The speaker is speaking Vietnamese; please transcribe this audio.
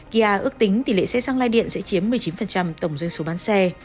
kia ước tính tỷ lệ xe xăng lai điện sẽ chiếm một mươi chín tổng doanh số bán xe